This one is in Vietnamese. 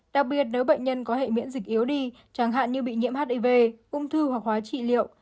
đặc biệt nếu bệnh nhân có hệ miễn dịch yếu đi chẳng hạn như bị nhiễm hiv ung thư hoặc hóa trị liệu